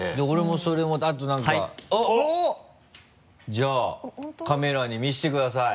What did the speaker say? じゃあカメラに見せてください。